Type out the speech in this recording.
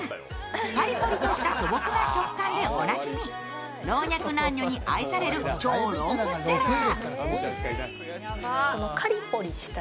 パリポリとした素朴な食感でおなじみ老若男女に愛される超ロングセラー。